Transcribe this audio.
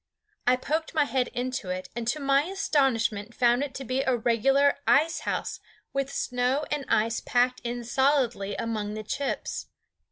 I poked my head into it, and to my astonishment found it to be a regular ice house, with snow and ice packed in solidly among the chips.